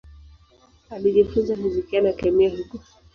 Alijifunza fizikia na kemia huko.